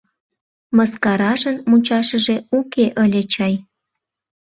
Мыскаражын мучашыже уке ыле чай.